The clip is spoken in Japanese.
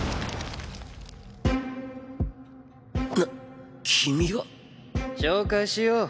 なっ君は。紹介しよう。